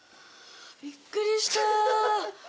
びっくりした。